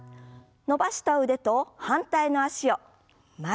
伸ばした腕と反対の脚を前です。